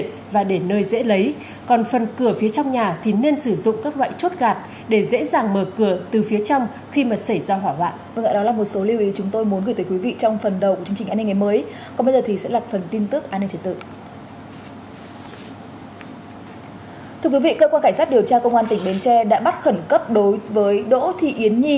thưa quý vị cơ quan cảnh sát điều tra công an tỉnh bến tre đã bắt khẩn cấp đối với đỗ thị yến nhi